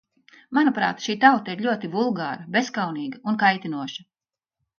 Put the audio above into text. Manuprāt, šī tauta ir ļoti vulgāra, bezkaunīga un kaitinoša.